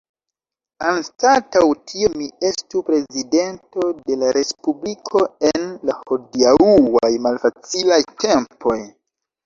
Anstataŭ tio mi estu prezidento de la respubliko en la hodiaŭaj malfacilaj tempoj.